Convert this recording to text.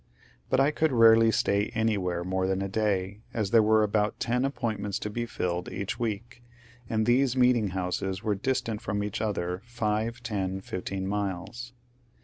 But I could rarely stay anywhere more than a day, as there were about ten appointments to be filled each week, and these meeting houses were distant from each other five, ten, fifteen miles.